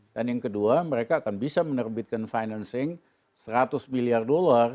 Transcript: dan yang kedua mereka akan bisa menerbitkan financing seratus miliar dolar